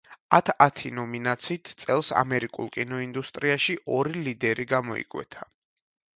ათ-ათი ნომინაციით წელს ამერიკულ კინოინდუსტრიაში ორი ლიდერი გამოიკვეთა.